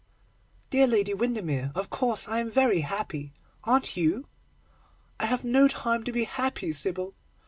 'Dear Lady Windermere, of course I am happy. Aren't you?' 'I have no time to be happy, Sybil.